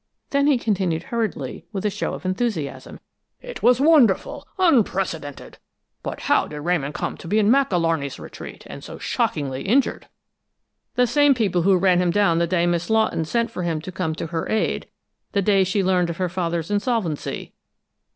Then he continued hurriedly, with a show of enthusiasm. "It was wonderful, unprecedented! But how did Ramon come to be in Mac Alarney's retreat, and so shockingly injured?" "The same people who ran him down the day Miss Lawton sent for him to come to her aid the day she learned of her father's insolvency."